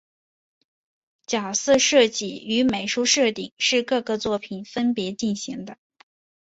角色设计与美术设定是各个作品分别进行的。